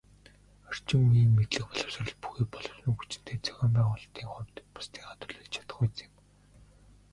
Орчин үеийн мэдлэг боловсрол бүхий боловсон хүчинтэй, зохион байгуулалтын хувьд бусдыгаа төлөөлж чадахуйц юм.